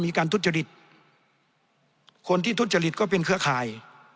ทุจริตคนที่ทุจริตก็เป็นเครือข่าย